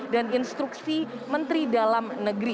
dan instruksi menteri dalam negeri